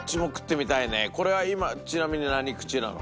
これは今ちなみに何口なの？